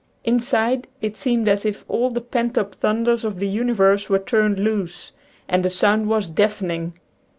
Inside, it seemed as if all the pent up thunders of the universe were turned loose, and the noise was deafen ing.